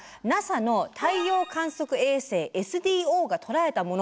ＮＡＳＡの太陽観測衛星ＳＤＯが捉えたものを見てみます。